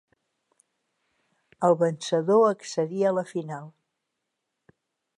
El vencedor accedia a la final.